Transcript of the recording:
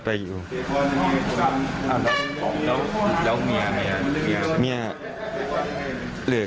ขาขาไม่ดี